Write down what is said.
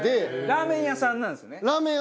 ラーメン屋さんなんですよ。